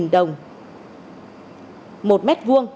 ba trăm linh đồng một m hai